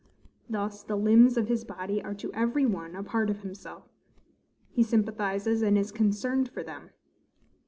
Thus, the limbs of his body are to every one a part of himself; he sympathizes and is concerned for them.